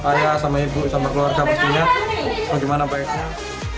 ayah sama ibu sama keluarga mestinya bagaimana baiknya